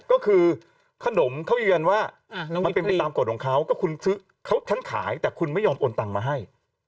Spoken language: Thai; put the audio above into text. ก็คือขนมเขายืนยันว่ามันเป็นไปตามกฎของเขาก็คุณซื้อเขาฉันขายแต่คุณไม่ยอมโอนตังมาให้